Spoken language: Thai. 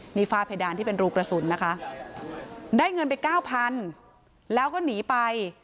นี่ฝ้าเพดานที่เป็นรูกระสุนนะคะได้เงินไปเก้าพันแล้วก็หนีไป